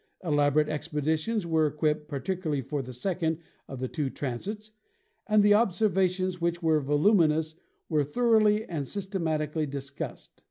Elaborate expeditions were equipped, particularly for the second of the two transits, and the observations, which were voluminous, were thoroly and systematically dis cussed.